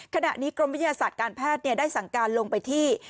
ขณะนี้กรมวิทยาศาสตร์การแพทย์ได้สั่งการลงไปที่